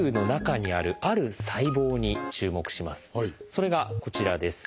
それがこちらです。